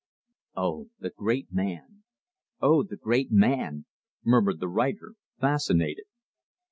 "Oh, the great man! Oh, the great man!" murmured the writer, fascinated.